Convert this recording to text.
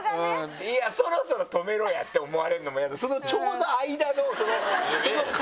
いやそろそろ止めろやって思われるのも嫌でそのちょうど間の。